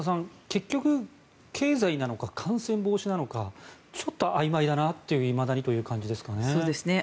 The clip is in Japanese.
結局、経済なのか感染防止なのかちょっとあいまいだないまだにという感じですね。